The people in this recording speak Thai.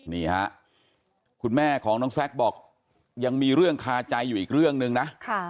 นี่ฮะคุณแม่ของน้องแซคบอกยังมีเรื่องคาใจอยู่อีกเรื่องหนึ่งนะ